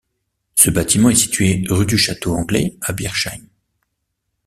Ce bâtiment est situé rue du château anglais à Bischheim.